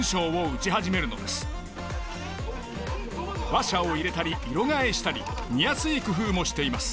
話者を入れたり色替えしたり見やすい工夫もしています。